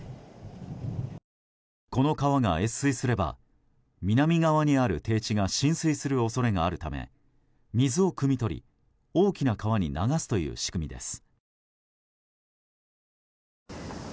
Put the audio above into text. この川が越水すれば南側にある低地が浸水する恐れがあるため水をくみ取り大きな川に流すという仕組みです。